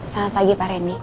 selamat pagi pak randy